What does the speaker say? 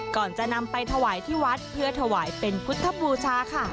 ก่อนจะนำไปถวายที่วัดเพื่อถวายเป็นพุทธบูชาค่ะ